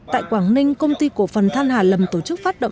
tại quảng ninh công ty cổ phần than hà lầm tổ chức phát động